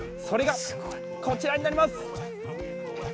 それがこちらになります！